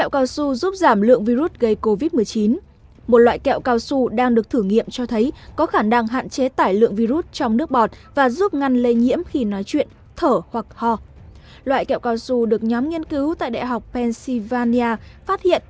các bạn hãy đăng ký kênh để ủng hộ kênh của chúng mình nhé